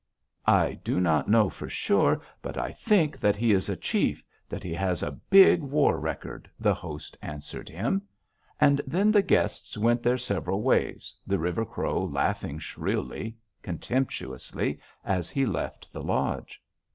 "'I do not know for sure, but I think that he is a chief, that he has a big war record,' the host answered him. "And then the guests went their several ways, the River Crow laughing shrilly, contemptuously, as he left the lodge.